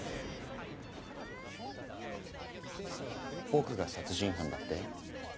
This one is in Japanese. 僕が殺人犯だって？